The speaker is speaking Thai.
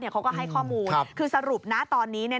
เขาก็ให้ข้อมูลคือสรุปนะตอนนี้